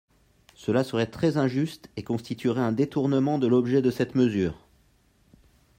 Cela serait très injuste et constituerait un détournement de l’objet de cette mesure.